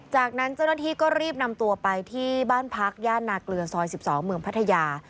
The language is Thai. จากนั้นเจ้าหน้าที่ก็รีบนำตัวไปที่บ้านพักย่านนาเกลือซอย๑๒เมืองพัทยา